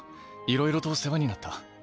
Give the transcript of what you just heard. いろいろと世話になった。